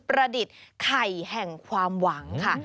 ดิษฐ์ไข่แห่งความหวังค่ะ